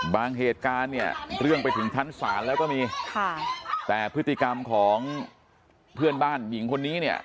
เหตุการณ์เนี่ยเรื่องไปถึงชั้นศาลแล้วก็มีค่ะแต่พฤติกรรมของเพื่อนบ้านหญิงคนนี้เนี่ย